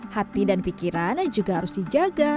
hati dan pikiran juga harus dijaga